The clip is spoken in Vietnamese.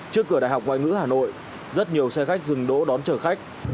trước cửa đại học ngoại ngữ hà nội rất nhiều xe khách dừng đỗ đón chở khách